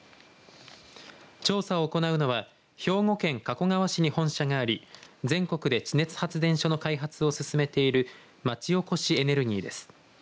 調査を行うのは兵庫県加古川市に本社があり全国で地熱発電所の開発を進めている町おこしエネルギーです。